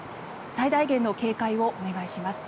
最大限の警戒をお願いします。